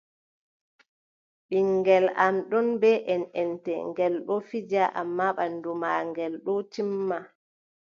Ɓinngel am ɗon bee enʼente, ngel ɗon fija ammaa ɓanndu maagel ɗon timma.